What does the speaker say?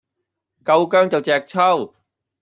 夠薑就隻揪